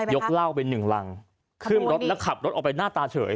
กเหล้าไปหนึ่งรังขึ้นรถแล้วขับรถออกไปหน้าตาเฉย